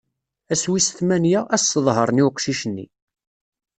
Ass wis tmanya, ad s-sḍehren i uqcic-nni.